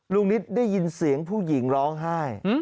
นิดได้ยินเสียงผู้หญิงร้องไห้